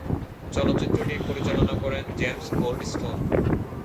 চলচ্চিত্রটি পরিচালনা করেন জেমস গোল্ডস্টোন।